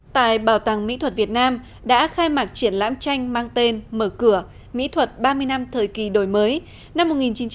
tại bảo tàng mỹ thuật việt nam đã khai mạc triển lãm tranh mang tên mở cửa mỹ thuật ba mươi năm thời kỳ đổi mới năm một nghìn chín trăm tám mươi sáu hai nghìn một mươi sáu